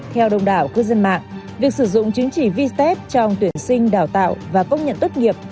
theo đh cư dân mạng việc sử dụng chứng chỉ vstep trong tuyển sinh đào tạo và công nhận tốt nghiệp